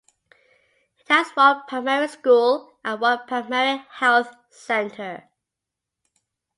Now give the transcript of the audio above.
It has one primary school and one primary health centre.